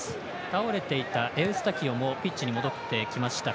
倒れていたエウスタキオもピッチに戻ってきました。